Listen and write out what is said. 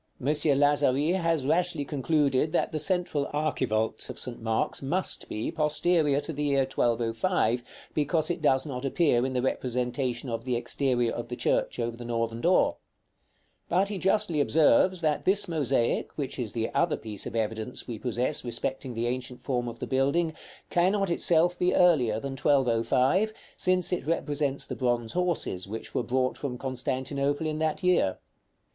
M. Lazari has rashly concluded that the central archivolt of St. Mark's must be posterior to the year 1205, because it does not appear in the representation of the exterior of the church over the northern door; but he justly observes that this mosaic (which is the other piece of evidence we possess respecting the ancient form of the building) cannot itself be earlier than 1205, since it represents the bronze horses which were brought from Constantinople in that year.